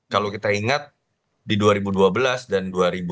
kalau kita ingat di dua ribu dua belas dan dua ribu dua puluh